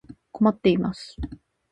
困っています。